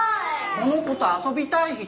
この子と遊びたい人？